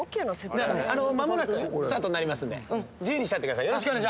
まもなくスタートになりますんで、自由にしたってください。